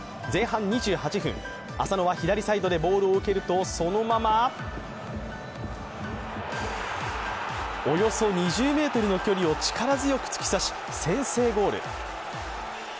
前半２８分、浅野は左サイドでボールを受け取るとそのままおよそ２０ｍの距離を力強く突き刺し先制ゴール。